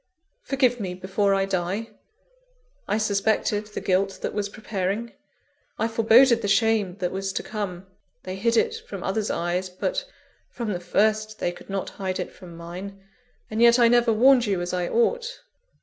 _ Forgive me before I die! I suspected the guilt that was preparing I foreboded the shame that was to come they hid it from others' eyes; but, from the first, they could not hide it from mine and yet I never warned you as I ought!